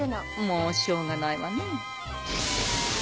もうしょうがないわね。